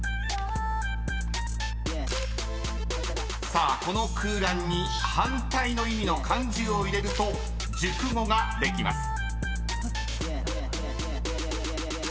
［さあこの空欄に反対の意味の漢字を入れると熟語ができます］